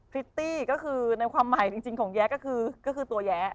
พริตตี้ก็คือในความใหม่จริงของแย้ก็คือตัวแย้